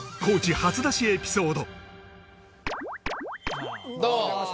初出しエピソード。